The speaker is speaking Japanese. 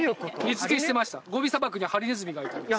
餌付けしてましたゴビ砂漠にハリネズミがいたんです